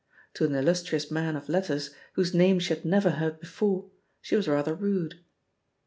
To an illustrious man of letters, whose name she had never heard before, she was rather rude.